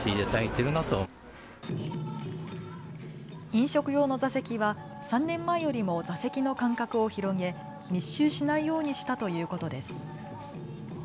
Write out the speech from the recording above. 飲食用の座席は３年前よりも座席の間隔を広げ密集しないようにしたということです。